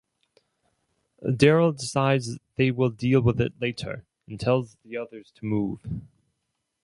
Daryl decides they will deal with it later and tells the others to move.